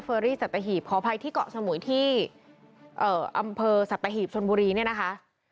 อรี่สัตหีบขออภัยที่เกาะสมุยที่อำเภอสัตหีบชนบุรีเนี่ยนะคะ